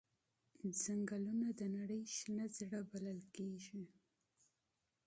ځنګلونه د نړۍ شنه زړه بلل کېږي.